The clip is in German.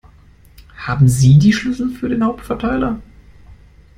Haben Sie die Schlüssel für den Hauptverteiler?